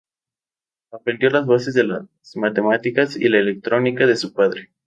Aprendió las bases de las matemáticas y la electrónica de su padre.